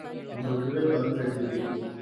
Motorway بند کردی گئی۔